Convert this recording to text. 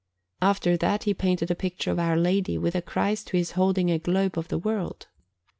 After that he painted a picture of Our Lady, with a Christ who is holding a globe of the world.